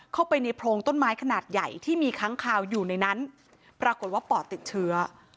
เข้าไปในโพรงต้นไม้ขนาดใหญ่ที่มีค้างคาวอยู่ในนั้นปรากฏว่าปอดติดเชื้อ